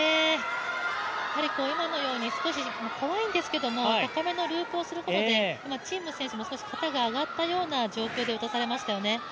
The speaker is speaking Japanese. やはり今のように怖いんですけども高めのループをすることで陳夢選手も少し肩が上がったような状況で打たされましたよね。